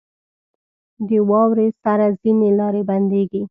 • د واورې سره ځینې لارې بندېږي.